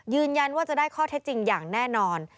ยืนยันว่าจะได้ข้อเท็จจริงอย่างแน่นอน